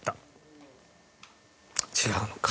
違うのか。